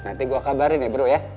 nanti gua kabarin ya bro